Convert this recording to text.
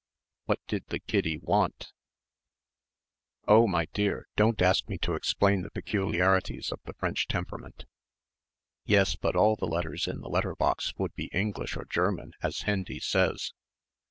"What did the Kiddy want?" "Oh, my dear, don't ask me to explain the peculiarities of the French temperament." "Yes, but all the letters in the letter box would be English or German, as Hendy says."